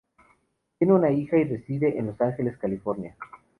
Tiene una hija y reside en Los Ángeles, California.